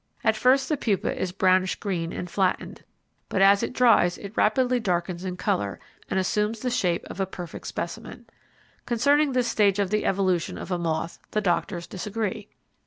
At first the pupa is brownish green and flattened, but as it dries it rapidly darkens in colour and assumes the shape of a perfect specimen. Concerning this stage of the evolution of a moth the doctors disagree.